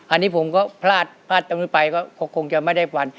๐๙๘๔๖๓๗๔๗๗อันนี้ผมก็พลาดพลาดไปก็คงจะไม่ได้ฟัน